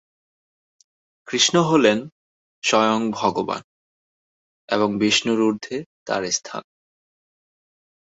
কৃষ্ণ হলেন স্বয়ং ভগবান এবং বিষ্ণুর উর্ধ্বে তার স্থান।